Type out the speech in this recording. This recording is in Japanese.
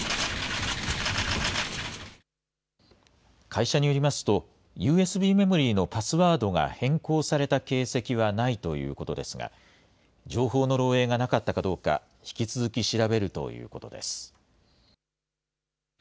会社によりますと、ＵＳＢメモリーのパスワードが変更された形跡はないということですが、情報の漏えいがなかったかどうか、引き続き調べるということです。